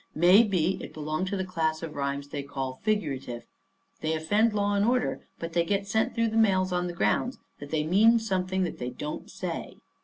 May be it belonged to the class of rhymes they call figurative. They offend law and order, but they get sent through the mails on the grounds that they mean something that they don't say.